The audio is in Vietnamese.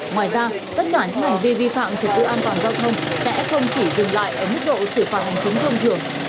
ngoài ra tất cả những hành vi vi phạm trật tự an toàn giao thông sẽ không chỉ dừng lại ở mức độ xử phạt hành chính thông thường